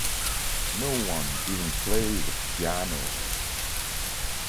No one even plays the piano!